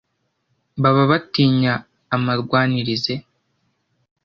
baba batinya amarwanirize